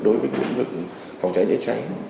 đối với huyện vực phòng trái trái trái